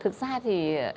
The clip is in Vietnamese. thực ra thì